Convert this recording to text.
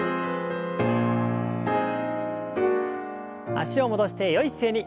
脚を戻してよい姿勢に。